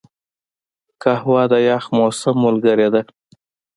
قهوه د یخ موسم ملګرې ده